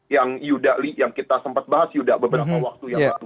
yang yuda li yang kita sempat bahas yuda beberapa waktu yang lalu